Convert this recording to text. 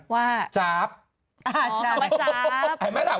กี่คนเยี่ยมมาก